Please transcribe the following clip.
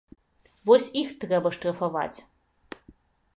Вось іх трэба штрафаваць!